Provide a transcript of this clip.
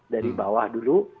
dari bawah dulu